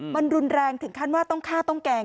มันรุนแรงถึงขั้นว่าต้องฆ่าต้องแกล้ง